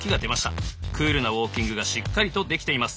クールなウォーキングがしっかりとできています。